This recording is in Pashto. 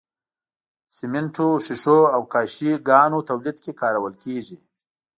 سمنټو، ښيښو او کاشي ګانو تولید کې کارول کیږي.